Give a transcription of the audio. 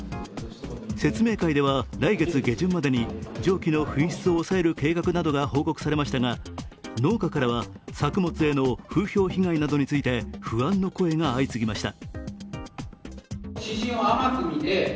説明会では来月下旬までに蒸気の噴出を抑える計画などが報告されましたが、農家からは作物への風評被害などについて不安の声が相次ぎました。